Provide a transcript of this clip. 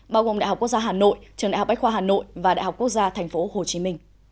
bao gồm đại học quốc gia hà nội trường đại học bách khoa hà nội và đại học quốc gia tp hcm